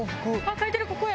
書いてるここや！